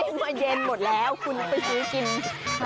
คุณมาเย็นหมดแล้วคุณไปซื้อกิน